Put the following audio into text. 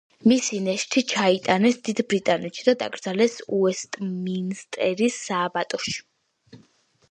მისი ნეშთი ჩაიტანეს დიდ ბრიტანეთში და დაკრძალეს უესტმინსტერის სააბატოში.